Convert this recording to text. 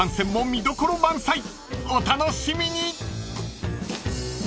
［お楽しみに］